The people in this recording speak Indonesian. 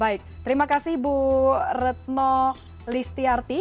baik terima kasih bu retno listiarti